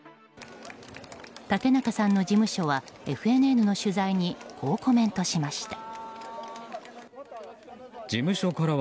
竹中さんの事務所はＦＮＮの取材にこうコメントしました。